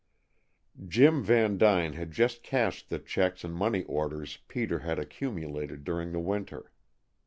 Jim Vandyne had just cashed the checks and money orders Peter had accumulated during the winter.